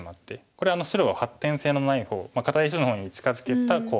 これ白を発展性のない碁堅い石の方に近づけた効果なんですね。